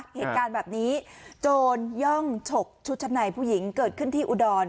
เหตุการณ์แบบนี้โจรย่องฉกชุดชั้นในผู้หญิงเกิดขึ้นที่อุดร